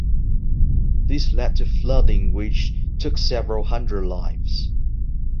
This led to flooding which took several hundred lives.